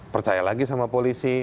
percaya lagi sama polisi